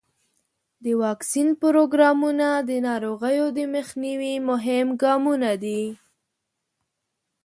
د واکسین پروګرامونه د ناروغیو د مخنیوي مهم ګامونه دي.